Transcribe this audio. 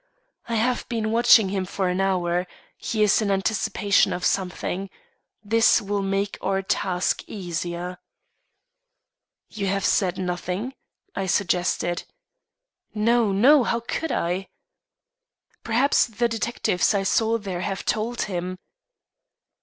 "I have been watching him for an hour. He is in anticipation of something. This will make our task easier." "You have said nothing," I suggested. "No, no; how could I?" "Perhaps the detectives I saw there have told him."